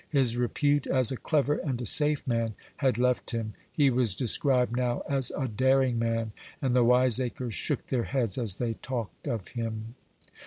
His repute as a clever and a safe man had left him. He was described now as a daring man; and the wiseacres shook their heads as they talked of him.